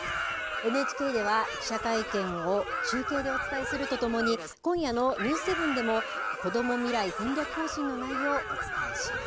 ＮＨＫでは記者会見を中継でお伝えするとともに、今夜のニュース７でも、こども未来戦略方針の内容をお伝えします。